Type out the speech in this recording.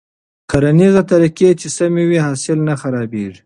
کرنيزې طريقې چې سمې وي، حاصل نه خرابېږي.